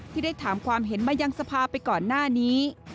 ที่ได้ถามความเห็นมายังสภาไปก่อนหน้านี้